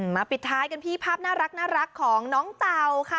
ปิดท้ายกันที่ภาพน่ารักของน้องเต่าค่ะ